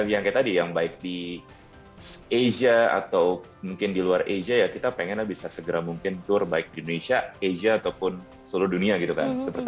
yang kayak tadi yang baik di asia atau mungkin di luar asia ya kita pengen lah bisa segera mungkin tour baik di indonesia asia ataupun seluruh dunia gitu kan